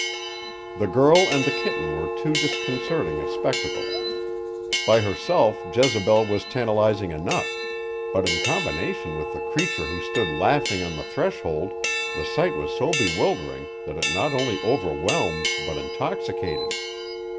The girl and the kitten were too disconcerting a spectacle. By herself Jezebel was tantalizing enough; but in combination with the creature who stood laughing on the threshold, the sight was so bewildering that it not only overwhelmed but intoxicated.